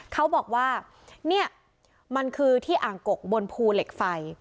เขาบอกว่าเนี่ยมันคือที่อ่างกกบนภูเหล็กไฟ